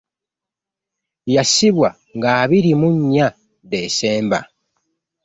Yasibwa nga abiri mu nnya Decemba